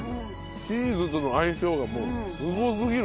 チーズとの相性がもうすごすぎる！